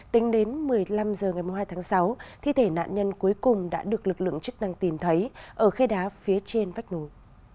tính đến một mươi năm h ngày một mươi hai tháng sáu thi thể nạn nhân cuối cùng đã được lực lượng chức năng tìm thấy ở khe đá phía trên vách núi